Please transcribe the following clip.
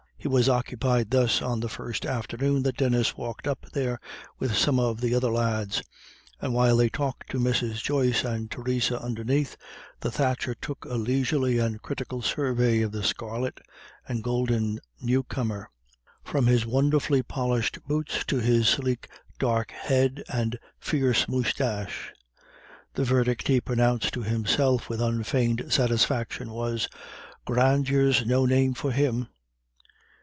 He was occupied thus on the first afternoon that Denis walked up there with some of the other lads, and while they talked to Mrs. Joyce and Theresa underneath, the thatcher took a leisurely and critical survey of the scarlet and golden newcomer, from his wonderfully polished boots to his sleek dark head and fierce moustache. The verdict he pronounced to himself with unfeigned satisfaction was, "Grandeur's no name for him."